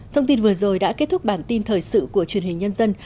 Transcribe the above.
thông tin vừa rồi đã kết thúc bản tin thời sự của truyền hình nhân dân